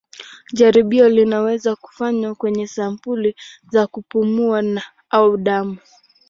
Jaribio linaweza kufanywa kwenye sampuli za kupumua au damu.